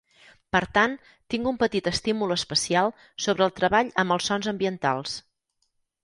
Per tant, tinc un petit estímul especial sobre el treball amb els sons ambientals.